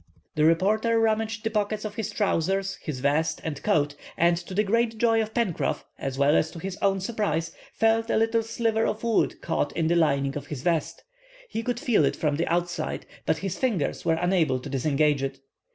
The reporter rummaged the pockets of his trowsers, his vest, and coat, and to the great joy of Pencroff, as well as to his own surprise, felt a little sliver of wood caught in the lining of his vest. He could feel it from the outside, but his fingers were unable to disengage it.